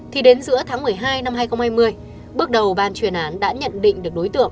thì đến giữa tháng một mươi hai năm hai nghìn hai mươi bước đầu ban chuyên án đã nhận định được đối tượng